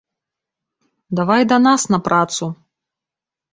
Давай да нас на працу!